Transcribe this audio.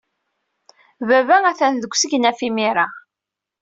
Baba atan deg usegnaf imir-a.